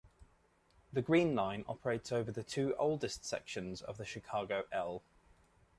The Green Line operates over the two oldest sections of the Chicago "L".